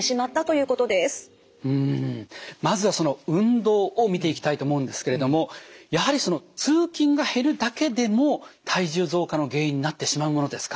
うんまずはその運動を見ていきたいと思うんですけれどもやはり通勤が減るだけでも体重増加の原因になってしまうものですか？